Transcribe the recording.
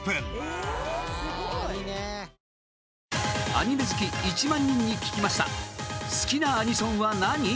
アニメ好き１万人に聞きました好きなアニソンは何？